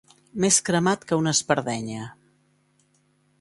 Més cremat que una espardenya.